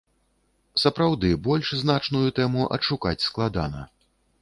Сапраўды, больш значную тэму адшукаць складана.